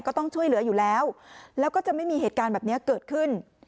ก็ต้องช่วยเหลืออยู่แล้วแล้วก็จะไม่มีเหตุการณ์แบบนี้เกิดขึ้น